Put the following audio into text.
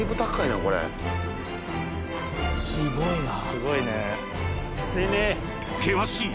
すごいね。